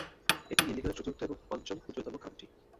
এটি ইলিনয়ের চতুর্থ এবং পঞ্চম ক্ষুদ্রতম কাউন্টি।